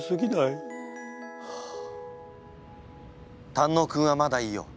胆のうくんはまだいいよ。